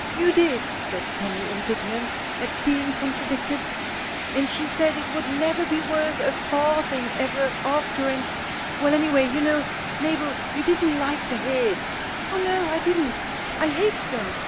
"You did!" says Tommy, indignant at being contradicted, "and she said it would never be worth a farthing ever after, and Well, any way, you know, Mabel, you didn't like the heads." "Oh, no; I didn't I hated them!